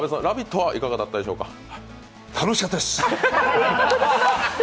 「ラヴィット！」はいかがだったでしょうか？